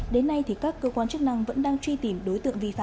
đến nay các cơ quan chức năng vẫn đang truy tìm đối tượng vi phạm